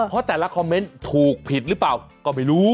เพราะแต่ละคอมเมนต์ถูกผิดหรือเปล่าก็ไม่รู้